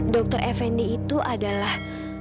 dokter fnd itu adalah